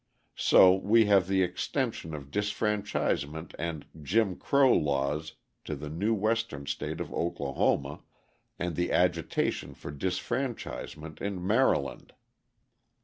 So we have the extension of disfranchisement and "Jim Crow" laws to the new Western state of Oklahoma and the agitation for disfranchisement in Maryland.